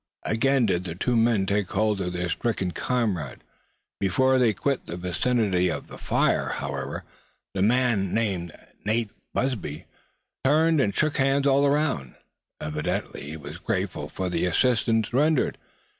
Again did the two men take hold of their stricken companion. Before they quit the vicinity of the fire, however, the man named Nate Busby turned and shook hands all around. Evidently he was grateful for the assistance rendered.